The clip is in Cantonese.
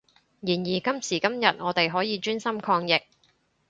然而今時今日我哋可以專心抗疫